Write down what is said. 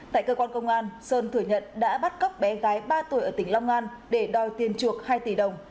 tại cơ quan công an sơn thừa nhận đã bắt cóc bé gái ba tuổi ở tỉnh long an để đòi tiền chuộc hai tỷ đồng